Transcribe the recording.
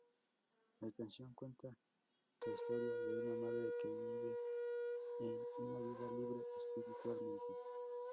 La canción cuenta la historia de una madre que vive una vida libre espiritualmente.